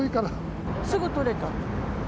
すぐ取れたの。